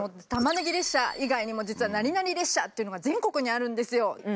タマネギ列車以外にも実は何々列車というのが全国にあるんですよ。